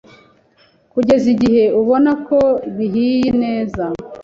kugeza igihe ubona ko bihiye neza.